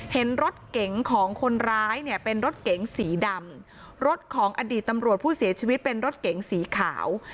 เห็นรถเก๋งของคนร้ายเนี่ยเป็นรถเก๋งสีดำรถของอดีตตำรวจผู้เสียชีวิตเป็นรถเก๋งสีขาว